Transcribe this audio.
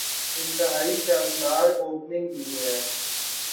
انتہائی شاندار اوپننگ لی ہے۔